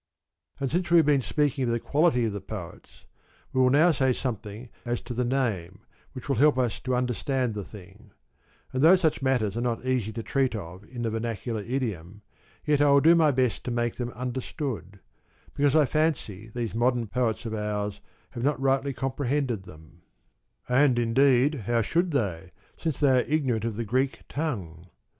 And since we have been speaking of the quality of the poets, we will now say something as to the name, which will help us to understand the thing; and though such matters are not easy to treat of in the vernacular idiom, yet I will do my best to make them understood, because I fancy these modern poets of ours have not rightly comprehended them ; and indeed how should they, since they are ignorant of the Greek tongue